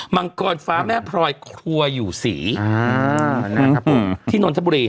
มังกรฟ้าแม่พรอยครัวอยู่ศรีที่นทบุรี